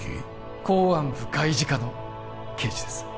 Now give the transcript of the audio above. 公安部外事課の刑事です